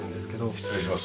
失礼します。